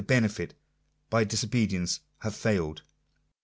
51 benefit by disobedience have failed.